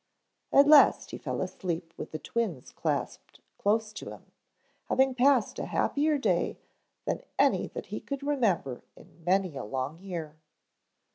At last he fell asleep with the twins clasped close to him, having passed a happier day than any that he could remember in many a long year.